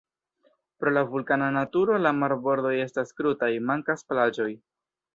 Pro la vulkana naturo la marbordoj estas krutaj, mankas plaĝoj.